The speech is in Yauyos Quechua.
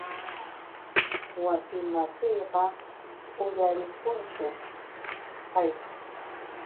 Wasimasiyqa uyarikunchu qay.